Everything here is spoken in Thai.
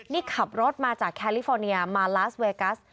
นี่ขับรถมาจากแคลิฟอร์เนียมาลาสเวกัส